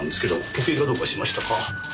時計がどうかしましたか？